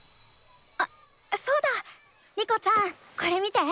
あそうだ。リコちゃんこれ見て。